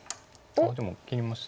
あっでも切りました。